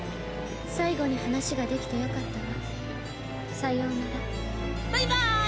最後に話ができてよかったわさようならバイバーイ！